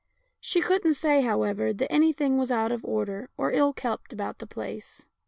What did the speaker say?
She couldn't say, however, that anything UNCLE JIM 193 was out of order or ill kept about the place.